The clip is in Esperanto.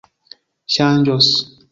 ŝanĝos